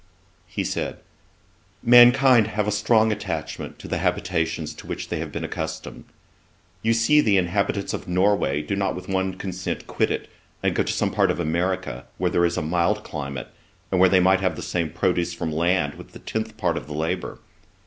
He said, 'Mankind have a strong attachment to the habitations to which they have been accustomed. You see the inhabitants of Norway do not with one consent quit it, and go to some part of America, where there is a mild climate, and where they may have the same produce from land, with the tenth part of the labour.